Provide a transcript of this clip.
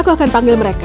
aku akan panggil mereka